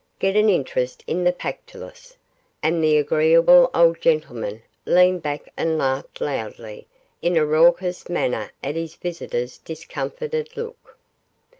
'Get an interest in the Pactolus,' and the agreeable old gentleman leaned back and laughed loudly in a raucous manner at his visitor's discomfited look.